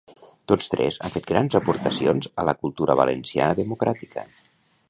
Tots tres han fet grans aportacions a la cultura valenciana democràtica.